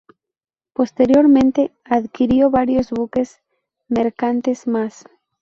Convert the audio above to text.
Posteriormente adquirió varios buques mercantes más.